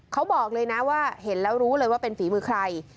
เขาบอกเลยนะเห็นแล้วรู้เป็นฝีมือใคร